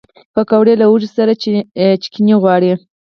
پکورې له هوږې سره چټني غواړي